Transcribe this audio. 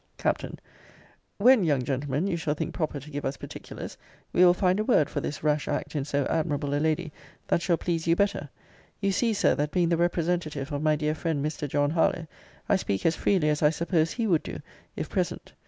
Capt. When, young gentleman, you shall think proper to give us particulars, we will find a word for this rash act in so admirable a lady, that shall please you better. You see, Sir, that being the representative of my dear friend Mr. John Harlowe, I speak as freely as I suppose he would do, if present.